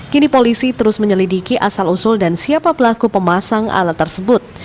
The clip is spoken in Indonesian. kini polisi terus menyelidiki asal usul dan siapa pelaku pemasang alat tersebut